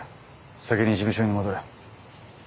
先に事務所に戻れ。